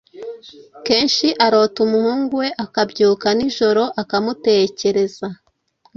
kenshi arota umuhungu we akabyuka nijoro akamutekereza